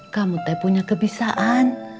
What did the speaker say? kamu teh punya kebisaan